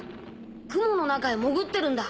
雲の中へもぐってるんだ。